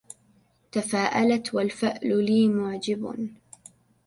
تفاءلت والفأل لي معجب